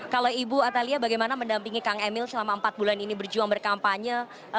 kalau ibu atalia bagaimana mendampingi kang emil selama empat bulan ini berjuang berkampanye